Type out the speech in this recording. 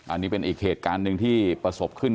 อันนี้เป็นอีกเหตุการณ์หนึ่งที่ประสบขึ้น